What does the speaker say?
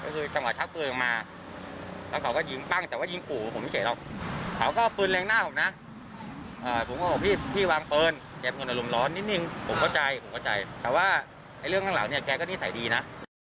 เก็บเงินอารมณ์ร้อนนิดนึงผมเข้าใจแต่ว่าเรื่องข้างหลังแกก็นิสัยดีนะ